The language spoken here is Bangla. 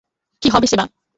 কী হবে সেবা!